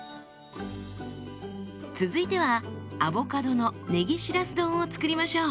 続いてはアボカドのねぎしらす丼を作りましょう。